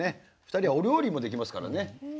２人はお料理もできますからね。